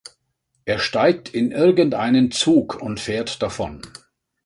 Er steigt in irgendeinen Zug und fährt davon.